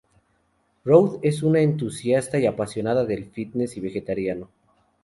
Rode es un entusiasta y apasionado del fitness y vegetariano.